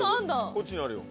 こっちにあるよ。